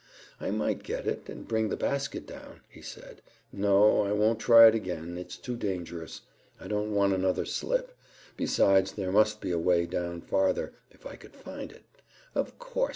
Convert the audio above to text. "I might get it, and bring the basket down," he said. "No, I won't try it again; it's too dangerous. I don't want another slip. Besides, there must be a way down farther, if I could find it. Of course!